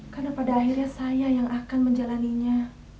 karena pada akhirnya saya yang akan menjalannya